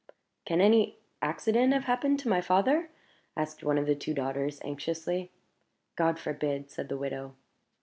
"Can any accident have happened to my father?" asked one of the two daughters, anxiously. "God forbid!" said the widow.